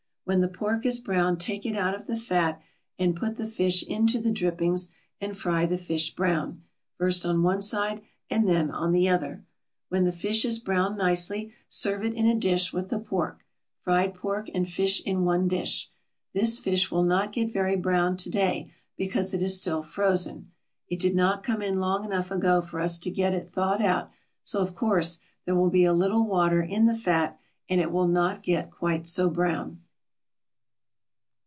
When the pork is brown take it out of the fat and put the fish into the drippings and fry the fish brown, first on one side and then on the other. When the fish is browned nicely serve it in a dish with the pork fried pork and fish in one dish. This fish will not get very brown to day, because it is still frozen. It did not come in long enough ago for us to get it thawed out, so, of course, there will be a little water in the fat, and it will not get quite so brown.